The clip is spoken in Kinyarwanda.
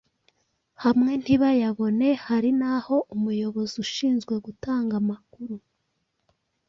hamwe ntibayabone. Hari n’aho umuyobozi ushinzwe gutanga amakuru